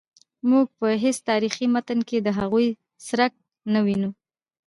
موږ په هیڅ تاریخي متن کې د هغوی څرک نه وینو.